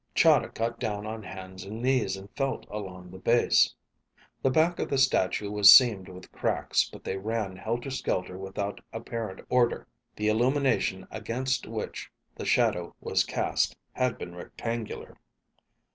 Chahda got down on hands and knees and felt along the base. The back of the statue was seamed with cracks, but they ran helter skelter without apparent order. The illumination against which the shadow was cast had been rectangular.